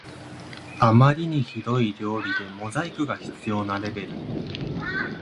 あまりにひどい料理でモザイクが必要なレベル